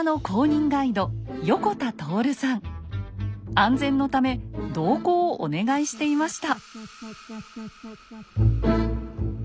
安全のため同行をお願いしていました。